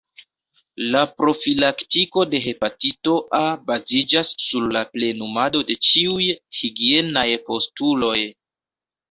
La profilaktiko de hepatito A baziĝas sur la plenumado de ĉiuj higienaj postuloj.